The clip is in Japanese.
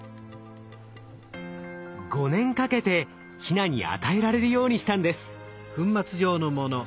５年かけてヒナに与えられるようにしたんです。